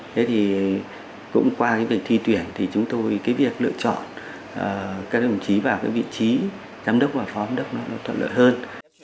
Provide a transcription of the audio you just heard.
thế thì cũng qua cái việc thi tuyển thì chúng tôi cái việc lựa chọn các đồng chí vào cái vị trí giám đốc và phó giám đốc nó thuận lợi hơn